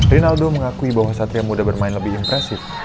rinaldo mengakui bahwa satria muda bermain lebih impresif